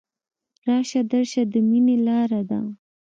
راشه درشه د ميني لاره ده